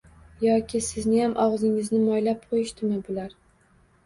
Yoki sizniyam ogʻzingizni moylab qoʻyishdimi bular?